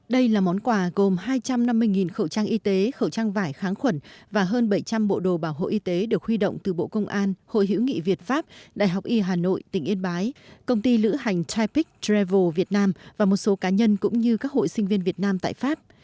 đây là món quà gồm hai trăm năm mươi khẩu trang y tế khẩu trang vải kháng khuẩn và hơn bảy trăm linh bộ đồ bảo hộ y tế được huy động từ bộ công an hội hữu nghị việt pháp đại học y hà nội tỉnh yên bái công ty lữ hành typex travel việt nam và một số cá nhân cũng như các hội sinh viên việt nam tại pháp